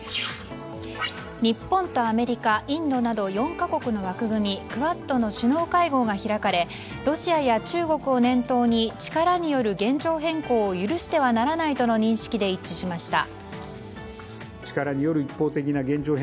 日本とアメリカ、インドなど４か国の枠組みクアッドの首脳会合が開かれロシアや中国を念頭に力による現状変更を許してはならないとの認識で一致しました。